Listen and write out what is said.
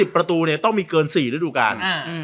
ประตูต้องมีเกิน๔ฤดูกาล